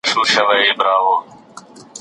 پرون مي د خپل ملګري سره ولیدل.